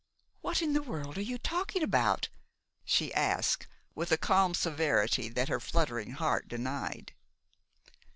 "What in the world are you talking about?" she asked, with a calm severity that her fluttering heart denied.